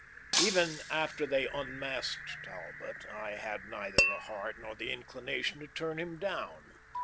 Even after they unmasked Talbot I had neither the heart nor the inclination to turn him down.